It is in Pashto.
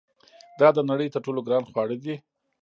دا د نړۍ تر ټولو ګران خواړه دي.